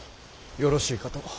よろしいかと。